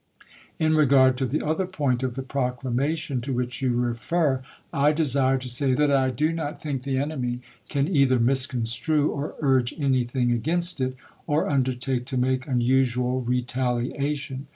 In regard to the other point of the proclamation to which you refer, I desire to say that I do not think the enemy can either misconstrue or urge anything against it, or undertake to make unusual retaliation.